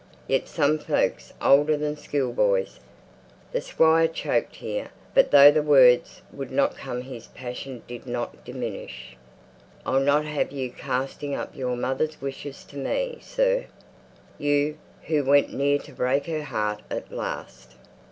Yet some folks older than school boys " The squire choked here; but though the words would not come his passion did not diminish. "I'll not have you casting up your mother's wishes to me, sir. You, who went near to break her heart at last!"